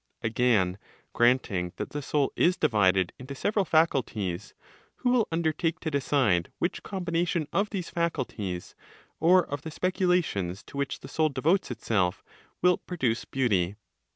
Again, granting that the soul is divided into several faculties, who will undertake to decide which combination of these faculties, or of the speculations to which the soul devotes itself, will produce beauty?